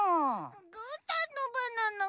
ぐーたんのバナナぐ？